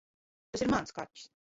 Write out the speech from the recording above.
Tas ir mans kaķis.